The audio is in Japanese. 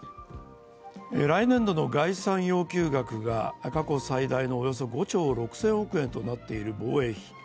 来年度の概算要求額が過去最大のおよそ５兆６０００億円となっている防衛費。